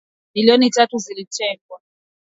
milioni tatu zilitengwa